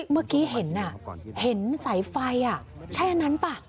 เมื่อกี้เห็นสายไฟใช่อันนั้นป่ะ